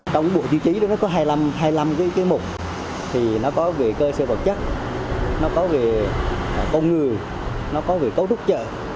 trong bộ tiêu chí đó có hai mươi năm cái mục thì nó có về cơ sơ vật chất nó có về con người nó có về cấu trúc chợ